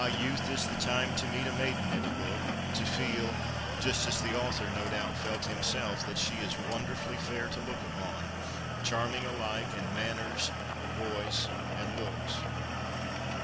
youth is the time to meet a maiden in a book, to feel — just as the author, no doubt, felt himself — that she is wonderfully fair to look upon, charming alike in manners, voice, and looks.